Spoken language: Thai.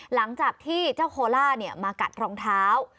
หลังจากที่เจ้าโคล่ามากัดรองเท้า